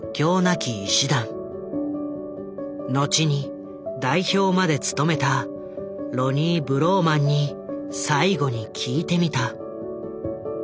後に代表まで務めたロニー・ブローマンに最後に聞いてみた。